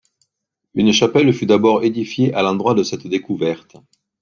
Une chapelle fut d’abord édifiée à l’endroit de cette découverte.